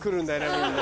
みんな。